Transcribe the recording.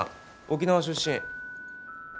沖縄出身。